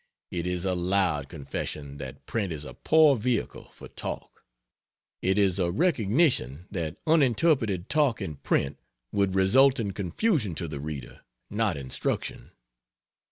It is a loud confession that print is a poor vehicle for "talk"; it is a recognition that uninterpreted talk in print would result in confusion to the reader, not instruction.